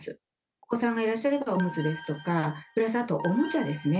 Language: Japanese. お子さんがいらっしゃればおむつですとか、プラスあと、おもちゃですね。